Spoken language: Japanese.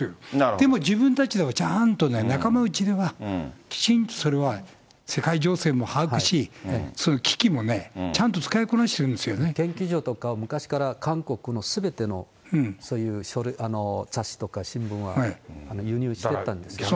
でも自分たちでは、ちゃんと仲間内では、きちんとそれは、世界情勢も把握し、そういう機器もね、ちゃんと使いこなしてるんとかは昔から韓国のすべての雑誌とか新聞は輸入してたんですけど。